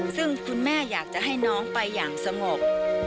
ซึ่งคุณแม่อยากจะให้น้องไปอย่างสงบ